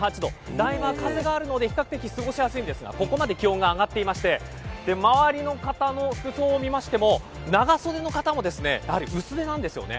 台場は風があるので比較的過ごしやすいですがここまで気温が上がっていて周りの方の服装を見ましても長袖の方も薄手なんですよね。